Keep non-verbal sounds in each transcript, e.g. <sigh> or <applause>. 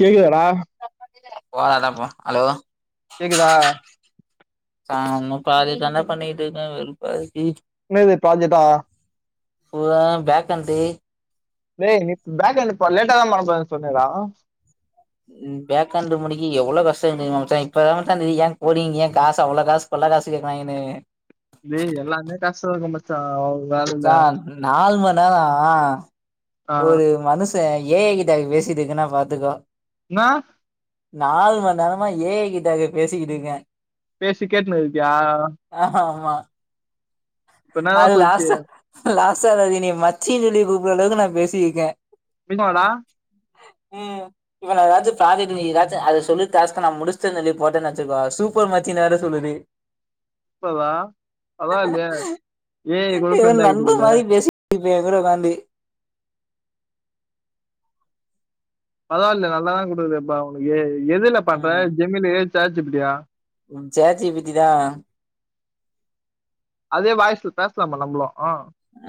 கேக்குதாடா போ அதான் போ ஹலோ கேக்குதா ச்சான் இன்னும் பாதி தாண்டா பண்ணிட்டு இருக்கேன் வெறுப்பா இருக்கு என்னது ப்ராஜெக்ட் ஆ <unintelligible> பேக் என்ட்ரி ஏய் நேத்து பேக் அனுப்புனது லேட்டா தான் வர போதுன்னு சொன்னியேடா பேக்கண்டு முடிக்க எவ்ளோ இப்பதா மச்சா ஏன் போறீங்கனு ஏன் காசு அவ்ளோ காசு கொல்லா காசு கேக்குறாங்கனு இல்ல எல்லாமே அண்ணே காசு தான்டா மச்சான் வேலையில ச நாலு மண் <unintelligible> ஆ ஒரு மனசு ஏ ஐ கிட்ட பேசிட்டு இருந்தேன்னா பாத்துக்கோ நா நாலு மணி நேரமா ஏஐ கிட்டக்க பேசிக்கிட்டு இருக்கே பேசி கேட்டுனு இருக்கியா ஆ இப்ப என்னடா அது சொல்லிச்சு லாஸ லாஸ சார் அது என்ய மச்சின்னு சொல்லி கூப்ற அளவுக்கு நா பேசியிருக்கே நிஜமாடா உம் இப்ப நா ஏதாச்சு ப்ராஜெக்ட் அத சொல்லி டாஸ்க்க நா முடிச்சுடேன்னு சொல்லி போட்டேனு வெச்சுக்கோ சூப்பர் மச்சினு வேர சொல்லுது இப்பதா அதா ஏ கேள் ஃப்ரெண்ட ஆகிட்டு இருக்குதா எதுல உக்காந்து பரவா இல்ல நல்லாதா கொடுக்குதுப்பா உனக்கே எதுல பாப்ப ஜெமிலி சேட் ஜி பிட்டியா சேட் ஜி ப்பிட்டிதா அதே வாய்ஸ்ல பேசலாம நம்பளு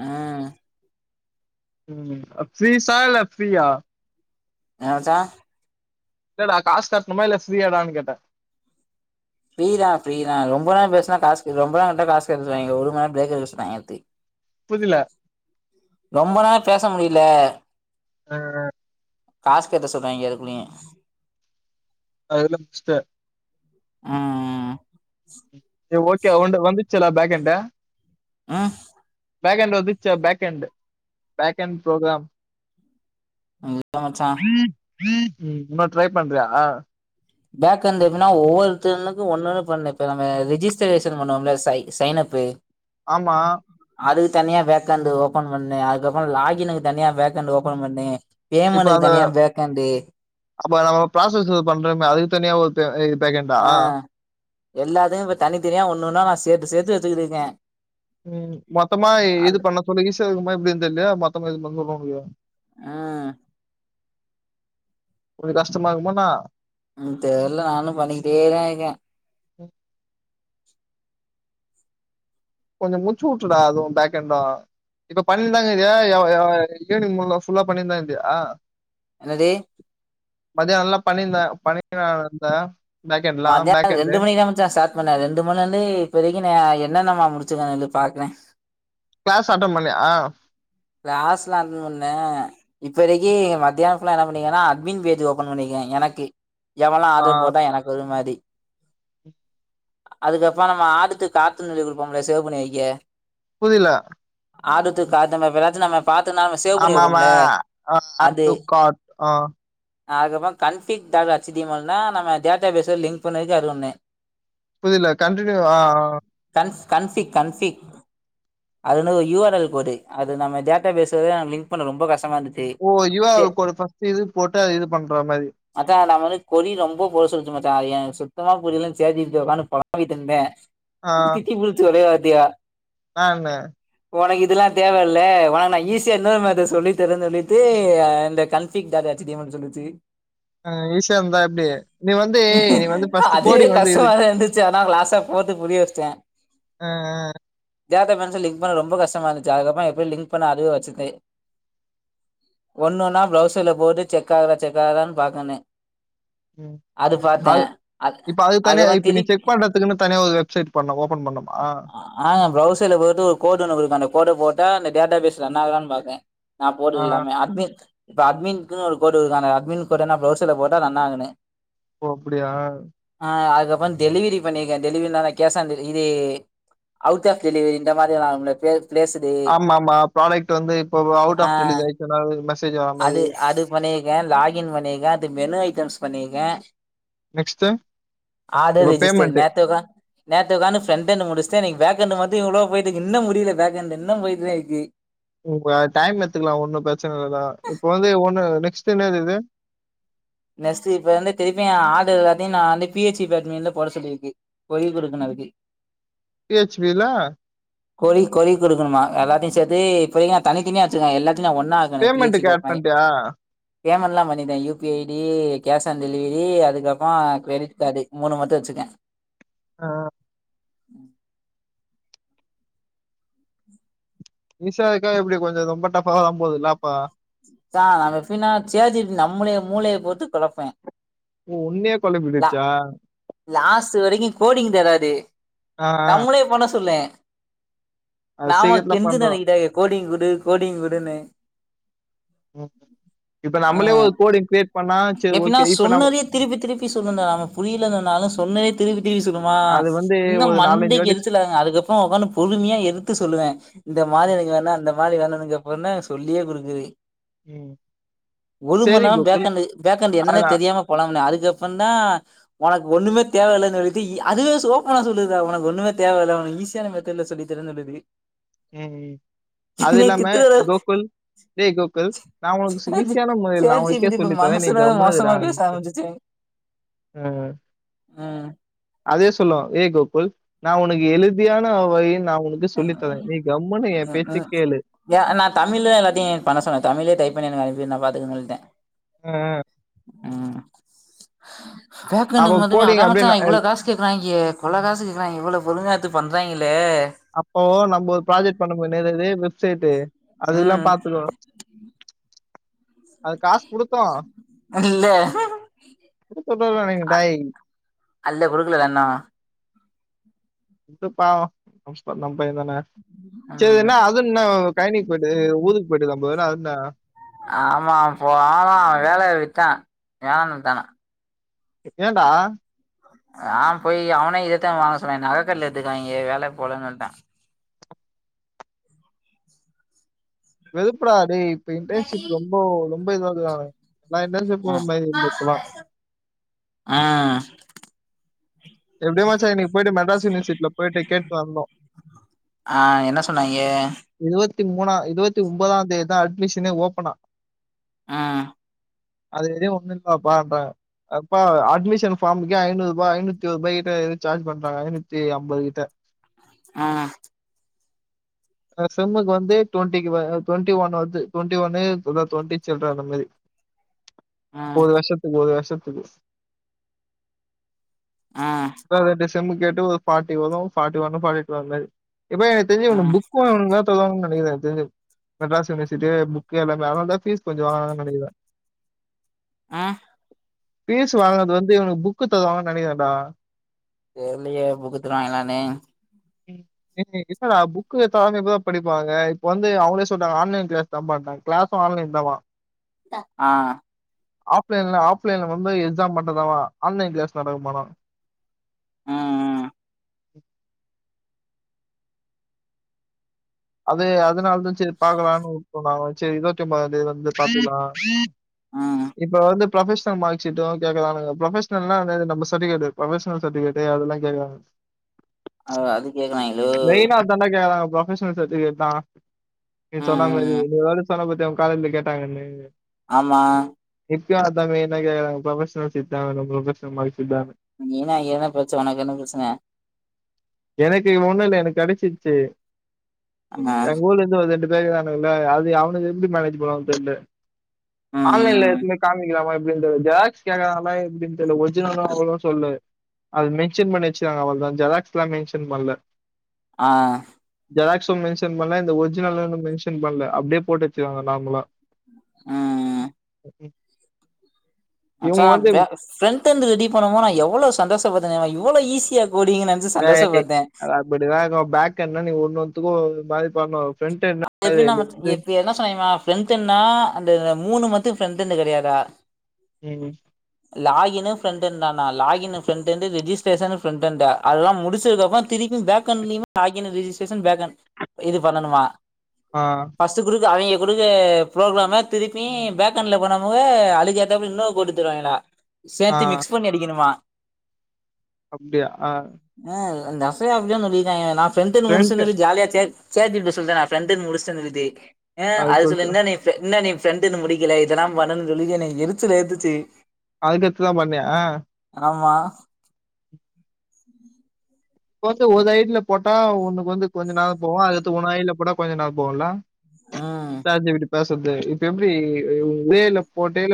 ஆ உம் ஃபீசா இல்ல ஃபிரியா என்ச்சா இல்டா காசு கட்டணுமா இல்ல ஃப்ரீயாடான்னு கேட்டே ஃப்ரீதா ஃப்ரீதா ரொம்ப நேரோ பேசா காசு ரொம்ப நேரோ காசு எடுத்துறுவாங்க ஒரு மணி நேரோ பிரேக்கர்ங்கத்து புதுல ரொம்ப நேரோ பேச முடியல ஆ காசு கட்ட சொன்னாங்க அதுக்குல்லயு அதெல்லா <unintelligible> பச்சன் உ உம் ஹ <inaudible> ஓகே ஒ வந்துச்சல பேக்கண்ட ஆ பேக்கண்ட் வந்துச்ச பேக்கண்ட் பேக்கண் ப்ரோகிராம் அ ஹலோ மச்சா ம் இன்னு ட்ரை பண்றியா பேக் வந்து எப்பனா ஒவ்வொருத்தருனுக்கு ஒண்ணுன்னு பண்ண இப்ப நம்ம ரிஜிஸ்டரேஷன் பண்ணுவோ இல்லையா சை சை அப்பு ஆமா அதுக்கு தனியா வேக்கண்டு ஓபன் பண்ணு அதுக்கப்புறோ லாகினுக்கு தனியா வேகண்டு ஓபன் பண்ணு இப்ப பேமெண்ட்டுக்கு அந்த தனியா வேக்கண்டு அப்ப நம்ம பராசஸ் பண்றமே அத <unintelligible> பே கண்டா எல்லாத்துக்கு இப்ப தனித்தனியா ஒன்னு ஒன்னா நா சேத்து சேத்து வச்சிட்டு இருக்கே ம் மொத்தமா இது பண்ண சொல்ல ஈசியா இருக்குமா எப்டின் தெரியலையா மொத்தமா இது <unintelligible> <unintelligible> ஆ கஷ்டமா இருக்குமான ம் தெர்ல நானு பண்ணிக்கிட்டேதா இருக்கே கொஞ்ச முச்சு விட்டுடா அதுவு பேக்ண்ட இப்ப பண்ணியிருந்தாங்கியா எவ எவ ஈவினிங் ஃபுல்லா ஃபுல்லா பண்ணிட்டுதா இருந்தியா என்னதே மதியானம்லா பண்ணியிருந்த பன்னிட்டு தான இருந்தே மத்தியான ரெண்டு மணிக்குதா மச்சா ஸ்டார்ட் பண்ணே ரெண்டு மணில இருந்து இப்போவரைக்கு நா என்னனெலா முடி ச்சுகே நில்லு பாக்றே கிளாஸ் அட்டன் பண்ணிய கிளாஸ்லா அட்டன்ட் பன்னெ இப்ப வரைக்கு மத்தியான ஃபுல்லா என்ன பண்ணீக்கேன்னா அட்மின் பேஜ் ஓபன் பண்ணிருக்கே எனக்கு எவல்லா ஆ, ஆர்டர் போட்டா எனக்கு வர மாரி அதுக்கப்புறம் நம்ம ஆடுது கார்ட்டுன்னு சொல்லி கொடுப்போம்ல சேவ் பண்ணி வைக்க புரில ஆடுது <unintelligible> சு நம்ம பாத்தோம்னா நம்ம சேவ் பண்ணி ஆமாமா வைப்போம்ல ஆ ஆட் அது டூ கார்ட் ஆ அதுக்கப்புறம் கன்ஃபிக் டார்ட் அச்டியமெல்னா நம்ம டேட்டா பேஸொட லிங்க் பண்ணதுக்கு அது ஒன்னு புரில கண்டினியூ ஆ ஆ கன்பிக் கன்பிக் அது <unintelligible> யூஆரல் கோடு அது நம்ம டேட்டா பேஸோட நா லிங்க் பண்ண ரொம்ப கஷ் ஓ யுஆரெல் கோட ஃபஸ்ட் இது போட்டு அது இது பண்ற மாரி கொரி ரொம்ப பொட சொலுச்சு மாச்சா அது எனக்கு சுத்தமா புரியலனு சேட்சீப்பில உக்கானு புழம்பிட்டு இருந்தே திட்டிபுடுச்சு ஒரே வார்த் திட்டியா எனானு உனக்கு இதுல்லா தேவல்ல உனக் நா ஈஸியா இன்னொரு மேட்டர் சொல்லித்தரன்னு சொல்லிட்டு இந்த கன்ஃபிக் டார்ட் அச்டீயமெல் னு சொல்லிச்சு அ ஈசியா இருந்ததா எப்டி நீ வந்து நீ வந்து ஃபஸ்டு அதுவே கோடிங் வந்து இது கஷ்டமா தா இருந்துச்சு ஆனா லாஸ்டா போட்டு புரிய வச்சுட்டே ஆ ஆ <unintelligible> லிங்க் பண்ண ரொம்ப கஷ்டமா இருந்துச்சு அதுக்கப்புறோ எப்டி லி்ங் இப்ப நா அதுவே வச்சுட்டு ஒண்ணொன்னா ப்ரவுசர்ல போட்டு செக் ஆகுதா செக் ஆகுதான்னு பாக்கனு ம் அது பார்த்தே இப்ப அது தனியா மாதிரி இப்ப நீ திரிப் செக் பண்றதுக்குன்னு தனியா ஒரு வெப்சைட் பண்ண ஓபன் பண்ணுமா ஆ அ ப்ரோசர்ல போய்ட்டு ஒரு கோடு ஒன்னு கொடுக்கனு அந்த கோடு போட்டா டேட்டா பேச் ரன் ஆகுதானு பாக்கே நா போட்றது எல்லாமே அட்மிட் இப்போ அட்மின்குனு ஒரு கோடு இருக்கு அந்த அட்மின் கோடு வெனா ப்ரோசர்ல போட்டா ரன் ஆகும்னு ஓ அப்டியா அ அதுக்கப்புறோ டெலிவரி பண்ணிருக்கெ டெலிவரினா இது கேச் ஆன் டெலிவரி இது அவுட் ஆஃப் டெலிவரி இந்த மாதிரி ஆகும்ல எப்பயா ப்ளேச்டு மா ப்ராடக்ட் வந்து இப்ப அவுட் ஆஃப் டெலிவரி ஆயட்டுன்னா மெச் அது அது பண்ணியிருக்கெ லாகின் பண்ணியிருக்கே அது மெனு ஐட்டம்ஸ் பண்ணியிருக்க நெக்ஸ்ட் ஆதார் இப்ப ரெஜிஸ்டர் பேமெண்ட் நேத்து உக்கா நேத்து உக்கானு ஃப்ரெண்டன் முடிச்டெ இனிக்கு பேக் பேக்கண்டு மட்டு இவ்ளோ போயிட்டுருக்கு இன்னு முடில பேக்கண்டண்டு இன்னு போயிட்டுதா இருக்கு உங்க டைம் எத்துக்கலா ஒண்ணு பிரச்சன இல்லதா இப்ப வந்து ஒண்ணு நெக்ஸ்ட் எனது இது நெக்ஸ்ட் இப்ப வந்து திருப்பியு எ ஆடர் எல்லாத்தையு நா வந்து பிஹெச்பி அட்மின்ல போட சொல்லியிருக்கு பொய் கொடுக்கணு அதுக்கு பிஹச் பில கொறி கொறி கொடுக்கணுமா எல்லத்தையு சேதது இப்போதைக்கு தனித்தனியா வச்சுக்கங்க எல்லாத்தையு நா ஒன்னா ஆக்கணு பி ஹெச் இ பேமெண்ட்கு பேட் மாரி ஆட்பண்டியா பேமெண்ட்லா பண்ணிட்டே U P I E cash on delivery அதுக்கப்புறோ கிரெடிட் கார்டு மூணு மட்டு வச்சுருக்கே ஆ உம் ஈசாக்கா எப்படி கொஞ்சோ ரொம்ப டஃபா வ போகுதல்லாப்பா ஆ நம்ம எப்டின்னா சேஜபி நம்மளைய மூளையை போத்து கொழப்பே ஓ! உன்னையே லா குழப்பிடுச்சா? லாஸ் வரைக்கு கோடிங் தராது ஆ, ஆ. நம்மளே பண்ண சொல்லே அது சீக்கிரத்துல நாமக்குெந்து பண்றோம். நிலையட கோடிங் கு விடு கோடிங் விடுனுு ம். இப்ப அ நம்மளே ஒரு கோடிங் கிரியேட் பண்ணா, சரி எப்டின்னா ஓகே. இப்ப நம்ம சொன்னதையே திருப்பி திருப்பி சொல்லு நா நாம புரியலன்னன்னாலு சொன்னதய லீவ் சொல்லுமா அது வந்து இன்னு ஒரு மண்டைக்கு வாட்டி எரிச்சலாகுங்க அதுக்கப்புறோ உக்காந்து பொறுமையா எடுத்து சொல்லுவே இந்த மாதிரி எனக்கு வேணு அந்த மாதிரி வேணுனு இத பண்ணு சொல்லியே குடுக்குறே ம். ஒரு மணி சரி நேரோ Gokul. Back end back end என்னனே அதுல தெரியாம போனாங்கன்னா அது இத பண்ணா உனக்கு ஒண்ணுமே தேவையில்லைன்னு சொல்லிட்டு இ அதுவே சொ ஓப்பனா சொல்லுது சா உனக்கு ஒண்ணமே தேவ இல்ல உனக்கு ஈஸியான மெத்தேட்ல சொல்லி தரேன்னு சொல்லுது ம் ம் அது என்னை இல்லாம திட்டுற கோகுல் டேய் கோ குல் நா உனக்கு சி அளவுக்கு ஈசியான முறையில் நா சேட் ஜி பி உனக்கே டி இப்ப சொல்லி தர நீ மனுஷனாவே கம்முனு மோசமா பேச இருடான்ட்டு ஆரம்பிச்சிச்சு ம் ம் அதே சொல்லு ஏ கோ குல் நா உனக்கு எளிமையான வகையில் நா உனக்கு சொல்லி அ தரேன். நீ கம்முனு என் அ பேச்ச அ கேளு." ஆ ஏ நா தமிழ்ல எல்லாத்தையு பண்ண சொன்னே தமிழ்லயே டைப் பண்ணி எனக்கு அனுப் பு நா பாத்துக்கறேன்னு சொல்லிட்டே ம் ம் பேக் அவ எண்டுக்கு மட்டுமே கோடிங் அதா அப்படியே மச்சா ந எல் இவ்ளோ காசு கேக்குறாய்ங்க கொள்ள காசு கேக்குறாய்ங்க இவ்ளோ பொறுமையா எட்த்து பண்றாய்ங்களே அப்போ நம்ம ஒரு ப்ராஜெக்ட் பண்ணும்போது <unintelligible> சேட்டு அது எல்லா ம் பாத்துக்கு அது காசு குடுத்தோ இல்ல குடுத்துட்டோம்னு நெனைக்கிறேன். அ டேய் அல்ல குடுக்கலடா இன்னு விட்ரு பாவோ <unintelligible> நம்ப பையந்தான சேரி ம் என்னா அதுன்னா கழனிக்கு போயிட்டு இது ஊருக்கு போயிட்டு வந்தே ப்ரோ நா அதுனா ஆமா போல வேலய விட்டே ஏன் வித்தனா எ ஏன்டா ஆமா போயி அவனயு இதத்தா வாங்க சொன்னா என்ன நகைக்கடைல எடுத்துருக்காய்ங்க வேல போலன்னு சொல்ட்டே வெறுப்புடா டேய் இப்ப இன்டர்ன்ஷிப் ரொம்போ ரொம்ப இதுவா இருக்குறானுக நா இன்டன்ஷிப் போற ம் மாரி இல்ல இப்பல்லா ம் எப்டியோ மச்சா இன்னக்கி போயிட்டு மெட்ராஸ் யூனிவர்சிட்டில போயிட்டு கேட்டு வந்தோ ஆ என்ன சொன்னாய்ங்க இருவத் வத்தி மூனா இருவத்தி ஒன்பதாம் தேதிதா அட்மிஷனே ஓஃப்பனா ம் அது எதும் ஒண்ணு இல்லப்பான்றாங்க அப்பா அட்மிஷன் ஃபார்முக்கே ஐநூரூபா ஐநூத் இதுக்கு போயிகிட்டு எதுக் சார்ஜி பண்றாங்க ஐந்நூத்தி அம்பது கிட்ட ஆ ஆனா சிம்முக்கு வந்து டொண்டிக்கு வ டொண்ட்டி ஒன் வருது டொண்ட்டி ஒன்னு இல்ல டொண்ட்டி சில்ற அந்த மாரி ம் ஒரு வருஷத்துக்கு ஒரு வருஷத் துக்கு ம் வேற டிஸ் சிம்மு கேட்டு ஒரு ஃபாட்டி ஒதவும் ஃபாட்டி ஒன்னோ ஃபாட்டி டூ அந்த மாரி எப்பா எனக்கு தெரிஞ்சி இவனுக்கு ம் புக்கு வாங்கணும் தா தருவாங்கன் நெனைக்குறேன் எனக்கு தெரிஞ்சி மெட்ராஸ் யூனிவர்சிட்டி புக்கு எல்லாமே அதனாலதா ஃபீஸ் கொஞ்ச வாங்கறாங்கன் நெனைக்கிற ஆ ஃபீஸ் வாங்கனது வந்து இவனுக்கு புக்கு தருவாங்க நெனக்கிற டா தெர்லயே புக்கு தருவாங்களானு ம் ஏ இல்லடா புக்கு தராம எப்பறா படிப்பாங்க இப்ப வந்து அவுங்களே சொல்றாங்க ஆன்லைன் கிளாஸ் தாப்பான்னா கிளாஸும் ஆன்லைன் தாவா டா ஆ ஆஃப்லைன்ல ஆஃப்லைன்ல வந்து எக்ஸாம் மட்டும் தாவா ஆன்லைன் கிளாஸ் நடக்குமா ஆனா ம் ம் <inaudible> அது அதனாலதா செரி பாக்கலான்னு உட்டோம் நாங்களும் செரி இருவத்தி ஒம்பதா தேதி வந்து பாத்துக்கலாம் ம் ம் இப்ப வந்து ப்ரொபஷனல் மார்க் ஷீட்டும் கேக்கறானுங்க ப்ரொபஷனல்லா அந்த நம்ம சர்டிபிகேட் ப்ரொபஷனல் சர்டிபிகேட்டு அதெல்லாம் கேக்கறானுங்க அதா அது கேக்கறாங்களோ ப்ரொபஷ் ஷனல் சட்டிவிகேட்டா நீ ம் சொன்ன ம் மாரி ம் இனிவாலு சொன்னப்பத்தியா அவுங்க காலேஜ்ல கேட்டாங்கன்னு ஆமா இப்பயும் அதான் வேணுன் கேக்கறாங்க பிரொபஷ்னல்ஸ் ஷீட்தா வேணும் பிரொபஷ்னல் மாரி இல்லாம நீனா என்ன பிரச்சன உனக்கு என்ன பிரச்சன எனக்கு ஒன்னுல்ல எனக்கு கெடைச்சி சேரி ஆமா எங்க ஊர்ல இருந்து வந்துட்டு பிளே கிறாங்க இல்ல அது அவனுக்கு எப்டி மேரேஜி பண்ணுவாங்க தெர்ல ம் ஆன்லைன்ல ம் எடுத்துனு போய் காமிக்கலாமா எப் அப்பட ஜெராக்ஸ் கேறனால எப்படின் தெரிய ஒரிஜினலா அவளோ சொல்லு அது மென்ஷன் பண்ணி வச்சுாங்க அவ்வளதா ஜெராகஸ் லெமினேஷன் பண்ல ஆ ஜெராக்ஸு மென்ஷன் பண்ணல இந்த ஒரிஜினல்ன்னு மென்ஷன் பண்ணல அப்படியே போட்டுருச்சிருக்காங்க நார்மலா உ ம் மச்சா இவங்க வந்து பே ஃபிரண்ட் ரெடி பண்ணமோ நா எவ்வளவு சந்தோஷபட்ட தெரிமா வளோ ஈஸியா கோடிங் நெனச்சு வே சந்தோஷப்பட்டே அப்டி <unintelligible> பேக் என்ன நீ ஒண்ணொத்துக்கும் ஒரு மாரி பன்னு எப்பினா எப்ப என்ன சொன்ன ஃப்ரன்ட்நா அந்த மூணு மத் து ஃப்ரெண்டன்னு கிடையாதா ம் லாகின்னு ஃப்ரண்டானாலாகின்னு ஃப்ரண்ட்ண்டு ரெஜஸ்ட்ரேஷனு ஃப்ரண்ட அ அதெல்லா முடிச்சதுக்கப்புற திருப்பி பேக் அண்டலயுே லாகின் ரிஜிஸ்ட்ரேஷ பேக் அ் இது பண்ணனுமா ஆ, ஃபஸ்டு குருக்கு அவிங்க கொடுக்க ப்ரோக்ராம திருப்பி பேக்கண்ட்ல போனவங்க அழுகாத்தப்ல இன்னு குடுதுருவாங்களா சேத்து மிக்ஸ் பண்ணி அடிக்கணுமா அப்டியா ஆ இந்த அஃப்ய அப்டிதா சொல்லி என நான்ஃப்ரெண்ட்த்த ஃப்ரண்ட் முடிசின ஜாலி ஆச்சே சே ஜி பிட சொல்லித்தா ப்ரண்டன் முடிசந்த விதி அ அது சொல்லிந்தா இன்னு நீ ஃப்ரெண்டுன்னு முடிக்கல இதெல்லா பண்ணும்னு சொல்லி என் என எரிச்சல் ஏடுத்துச்சு அதுக்கத்துதா பண்ணியா அ ஆமா இப்ப வந்து ஒரு ஐடில போட்டா உனுக்கு வந்து கொஞ்ச ந நா போவோ அதுடுத்து ஒன்னு ஐடில போட்டா கொஞ்சம் நா போம்ல ஆ பேசுறது இப்ப எப்டி இலே போட்டே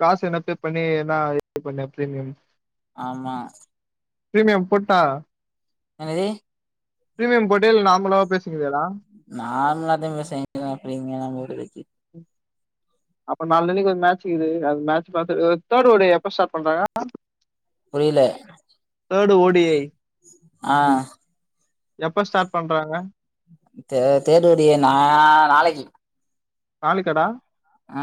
காசு என்ன பே பண்ணி என்ன பண்ணே பிரீமியம் ஆமா பிரீமியம் போட்டா என்னது பிரீமியம் போட்டியா இல்ல நார்மளவா பேசுங்கிறியாடா நார்மலாத்த பேசெய் <unintelligible> ப்ரிமியலா போட்டு வேஸ்ட் அப்புறோ நாலனைக்கு ஒரு மேட்ச் இயக்குவது அது மேட்ச் பாத்து <unintelligible> எப்ப ஸ்டார்ட் பண்றாங்க புரில தேடு ஓடிஐ ஆ எப்ப ஸ்டார்ட் பண்றாங்க தே தேரோடிஐ நா நாளைக்கு நாலிக்கடா ஆ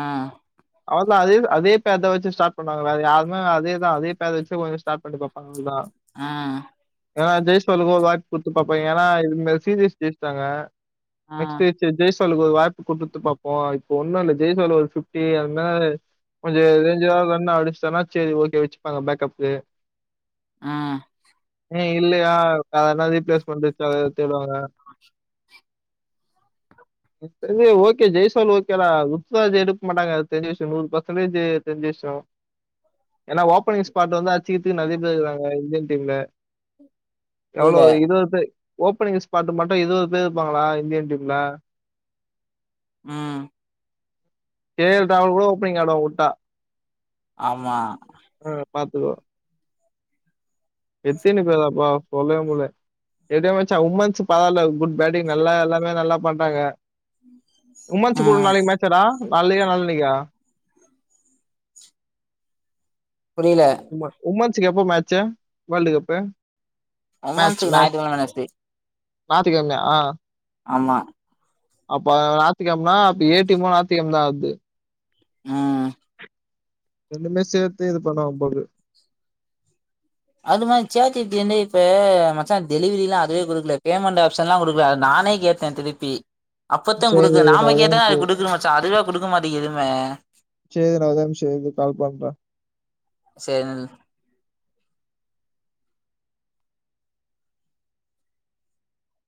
அவ்ளோ தா அதே அதே பேர்தா வச்சி ஸ்டார்ட் பண்ணாங்களா வேற யாமே அதேதா அதே பேர் வச்சி கொஞ்ச ஸ்டார்ட் பண்ணி பாப்பாங்க அவ்ளோ தா ஆ ஏன்னா ஜெய்ஸ்வால்க்கு ஒரு வாய்ப்பு குடுத்து பாப்பாங்க ஏன்னா இதுமே சீரியஸ் ஜெயிஸ்டாங்க ம் நெக்ஸ்டு <unintelligible> ஜெஸ் இப் வங்கலுக்கு வாய்ப்பு குடுத்து பாப் போ இப்ப ஒண்ணு இல்ல ஜெய்ஸ்வால் ஒரு பிப்டி அந்த மாரி கொஞ்ச ரேஞ்சாவது ரன்ன அடிச்சிடானா சேரி ஓகே வச்சிப்பாங்க பேக்கப்கு ஆ ஏ இல்லையா வேற எவனாவது ரிப்ளைக்காவது தேடுவாங்க சேரி ஓகே ஜெய்ஸ் ஸ்வால் ஓகே டா ருத்ராஜ் எடுக்க மாட்டாங்க அது தெரிய விஷய நூறு பர்சன்டேஜு தெரிஞ்ச விஷய ஏன்னா ஓபனிங் ஸ்பாட் வந்து அச்சிக்கிறதுக்கு நெறைய பேர் இருக்கறாங்க இந்தியன் டீம்ல எவ்ளோ புரியல இருவது பேர் ஓப்பனிங் ஸ்பாட் மட்டு இருவது பேர் இருப்பாங்களா இந்தியன் டீம்ல ம் கே எல் ராகுல் கூட ஓப்பனிங் ஆடுவா வுட்டா ஆமா பாத்துகோ எத்தினி போரப்பா சொல்லவே முல்ல எப்படியோ மச்சான் உமன்ஸ் பராயில்ல குட் பேட்டிங் நல்லா எல்லாமே நல்லா பண்றாங்க உமஸ் கூட ம் நாளைக்கு மேட்சடா நாளைக்கா நாளானைக்கா புரியல உம உமன்ஸ ஸ்க்கு எப்ப மேச்சு வேல்டு கப்பு உமன்ஸ்க்கு ஞாயித்துகிழம வென்னெஸ்டே ஞாயித்துகிழமைய ஆ ஆமா அப்ப அது ஞாயித்துகிழம அப்ப ஏ டிமு ஞாயித்துகிழம தா ஆட்து ம் ம் ரெண்டுமே சேர்த்து இது பண்ணு வாங்க போல்து அது மாரி <unintelligible> என்ன இப்ப மச்சா டெலவரி எல்லா அதுவே குடுக்கல பேமெண்ட் ஆப்ஷல்லா குடுக்கல நானே கேட்டே திருப்பி அப்பத்த சேரி குடுக்குல நா நாம ஒரே கேட்டா நிமிஷ அது இரு குடுக்குது மச்ச அதுவா குடுக்க மாட்டிக்கிது எதுவுமே சேரி ஒரே நிமிஷ இரு கால் பண்ற சேரி